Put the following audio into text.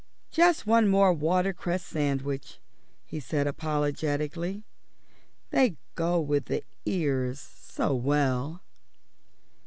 Just one more watercress sandwich," he said apologetically; "they go with the ears so well."